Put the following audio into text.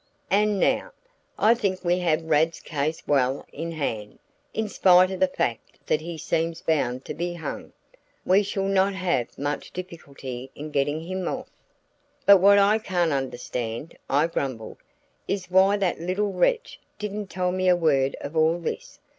And now, I think we have Rad's case well in hand. In spite of the fact that he seems bound to be hung, we shall not have much difficulty in getting him off." "But what I can't understand," I grumbled, "is why that little wretch didn't tell me a word of all this.